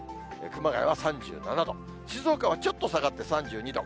熊谷は３７度、静岡はちょっと下がって３２度。